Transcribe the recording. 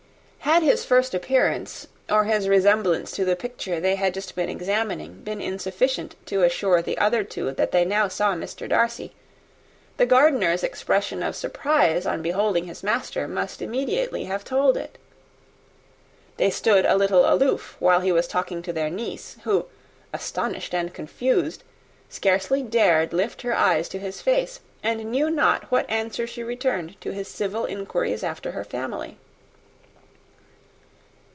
Had his first appearance, or his resemblance to the picture they had just been examining, been insufficient to assure the other two that they now saw Mr. Darcy, the gardener's expression of surprise, on beholding his master, must immediately have told it. They stood a little aloof while he was talking to their niece, who, astonished and confused, scarcely dared lift her eyes to his face, and knew not what answer she returned to his civil inquiries after her family.